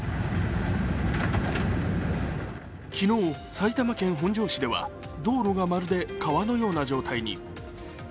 昨日、埼玉県本庄市では道路がまるで川のような状態に。